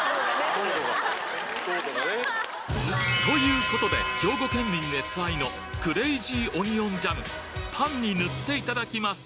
糖度が糖度がね。ということで兵庫県民熱愛のクレイジーオニオンジャムパンに塗っていただきます